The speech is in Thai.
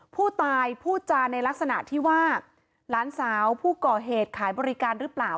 ผู้ตายพูดจาในลักษณะที่ว่าหลานสาวผู้ก่อเหตุขายบริการหรือเปล่า